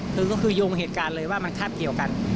คือก็คือโยงเหตุการณ์เลยว่ามันคาบเกี่ยวกัน